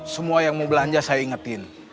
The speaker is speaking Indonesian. semua yang mau belanja saya ingetin